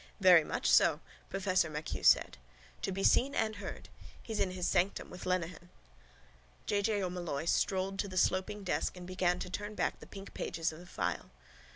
—Very much so, professor MacHugh said. To be seen and heard. He's in his sanctum with Lenehan. J. J. O'Molloy strolled to the sloping desk and began to turn back the pink pages of the file.